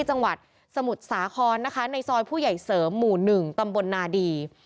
จังหวัดสมุทรสาครนะคะในซอยผู้ใหญ่เสริมหมู่๑ตำบลนาดี